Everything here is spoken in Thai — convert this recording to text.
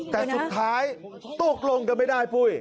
แต่สุดท้ายตกลงกันไม่ได้ปุ้ย